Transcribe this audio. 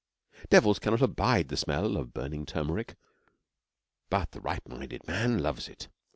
Devils cannot abide the smell of burning turmeric, but the right minded man loves it.